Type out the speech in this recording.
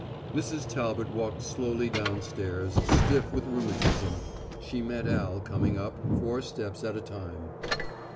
Mrs. Talbot walked slowly down stairs, stiff with rheumatism. She met Al coming up, four steps at a time.